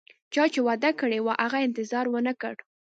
چا چې وعده کړي وه، هغه انتظار ونه کړ